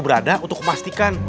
berada untuk memastikan